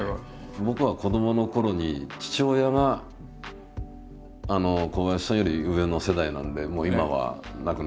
僕は子どものころに父親が小林さんより上の世代なんでもう今は亡くなってますけど。